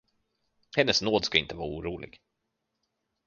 Hennes nåd skall inte vara orolig.